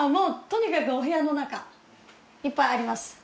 とにかくお部屋の中いっぱいあります